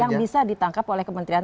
yang bisa ditangkap oleh kementerian